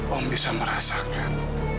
om bisa merasakan